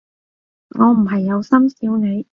我唔係有心笑你